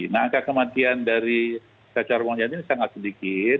nah angka kematian dari cacar monyet ini sangat sedikit